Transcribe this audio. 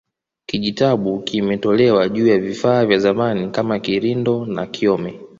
Kijitabu kimetolewa juu ya vifaa vya zamani kama kirindo na kyome